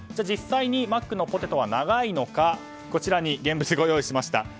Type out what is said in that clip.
実際にマックのポテトは長いのか、こちらに現物をご用意しました。